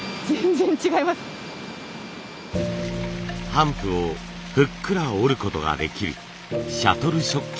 帆布をふっくら織ることができるシャトル織機。